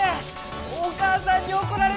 お母さんにおこられる！